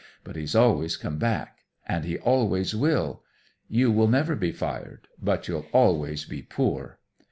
But he's always come back, and he always will. You will never be fired, but you'll always be poor."